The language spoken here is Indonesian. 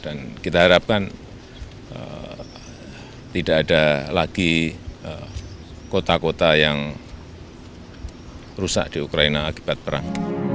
dan kita harapkan tidak ada lagi kota kota yang rusak di ukraina akibat perang